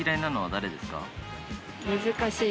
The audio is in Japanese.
「難しい」。